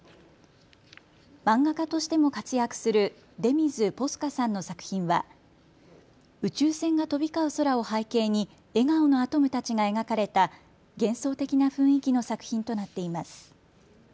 漫画家としても活躍する出水ぽすかさんの作品は宇宙船が飛び交う空を背景に笑顔のアトムたちが描かれた幻想的な雰囲気の作品となっています。